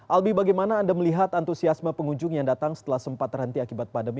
albi bagaimana anda melihat antusiasme pengunjung yang datang setelah sempat terhenti akibat pandemi